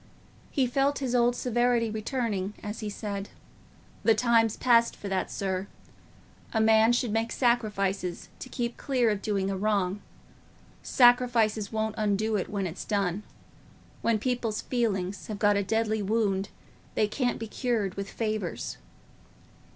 He felt his old severity returning as he said, "The time's past for that, sir. A man should make sacrifices to keep clear of doing a wrong; sacrifices won't undo it when it's done. When people's feelings have got a deadly wound, they can't be cured with favours."